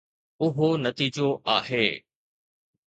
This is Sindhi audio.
اهو نتيجو آهي